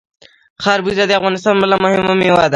خربوزه د افغانستان بله مهمه میوه ده.